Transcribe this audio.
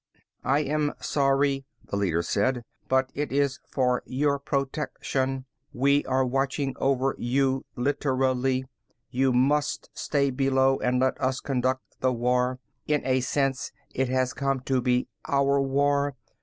"I am sorry," the leader said, "but it is for your protection. We are watching over you, literally. You must stay below and let us conduct the war. In a sense, it has come to be our war.